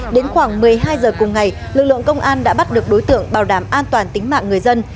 đến khoảng một mươi hai giờ cùng ngày lực lượng công an đã bắt được đối tượng bảo đảm an toàn tính mạng người dân